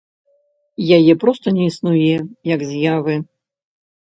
Яе проста не існуе, як з'явы.